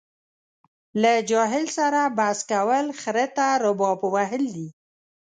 له جاهل سره بحث کول خره ته رباب وهل دي.